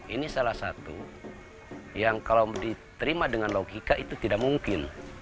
ini salah satu yang kalau diterima dengan logika itu tidak mungkin